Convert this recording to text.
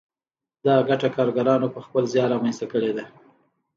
دا ګټه کارګرانو په خپل زیار رامنځته کړې ده